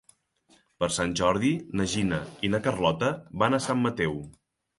Per Sant Jordi na Gina i na Carlota van a Sant Mateu.